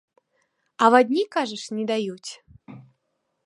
Авадні, кажаш, не даюць?